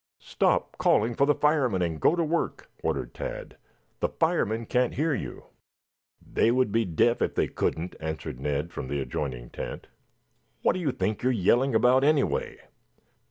"Stop calling for the firemen and go to work," ordered Tad. "The firemen can't hear you." "They would be deaf if they couldn't," answered Ned from the adjoining tent. "What do you think you are yelling about, anyway?"